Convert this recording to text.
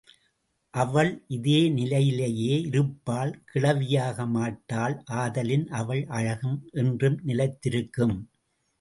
அவள் இதே நிலையிலேயே இருப்பாள் கிழவியாக மாட்டாள் ஆதலின் அவள் அழகும் என்றும் நிலைத்திருக்கும்.